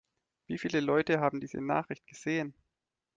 Wie viele Leute haben diese Nachricht gesehen?